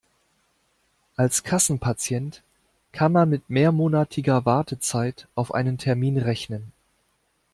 Als Kassenpatient kann man mit mehrmonatiger Wartezeit auf einen Termin rechnen.